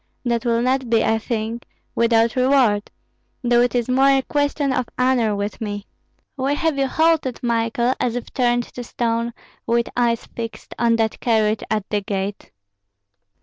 That will not be, I think, without reward, though it is more a question of honor with me. Why have you halted, Michael, as if turned to stone, with eyes fixed on that carriage at the gate?"